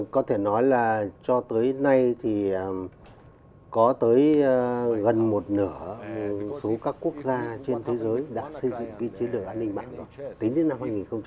có thể nói là cho tới nay thì có tới gần một nửa số các quốc gia trên thế giới đã xây dựng cái chế độ an ninh mạng tính đến năm hai nghìn một mươi tám